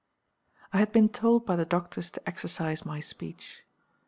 "I had been told by the doctors to exercise my speech.